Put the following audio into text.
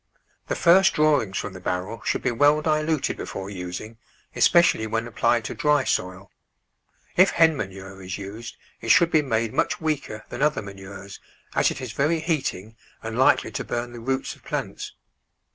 The first drawings from the barrel should be well diluted before using, especially when applied to dry soil. If hen manure is used, it should be made much weaker than other manures, as it is very heating and likely to burn the roots of plants.